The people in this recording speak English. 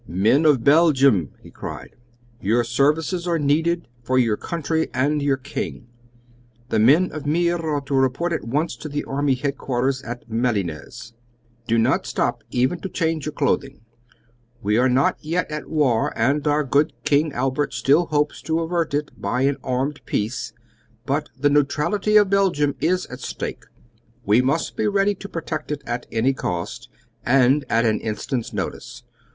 "Men of Belgium," he cried, "your services are needed for your country and your King! The men of Meer are to report at once to the army headquarters at Malines. Do not stop even to change your clothing! We are not yet at war, and our good King Albert still hopes to avert it by an armed peace, but the neutrality of Belgium is at stake, and we must be ready to protect it at any cost, and at an instant's notice.